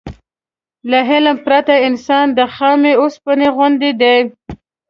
له علم پرته انسان د خامې اوسپنې غوندې دی.